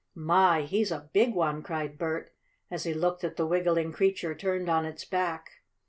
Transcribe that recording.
"My, he's a big one!" cried Bert, as he looked at the wiggling creature turned on its back.